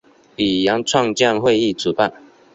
语言创建会议主办。